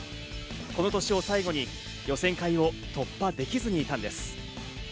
この年を最後に予選会を突破できずにいたんです。